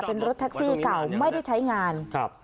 เป็นรถทักซี่เก่าไม่ได้ใช้งาน